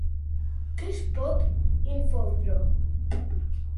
Que es pot infondre.